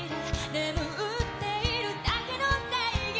「眠っているだけの正義」